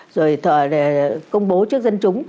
rồi thở để công bố trước dân chủ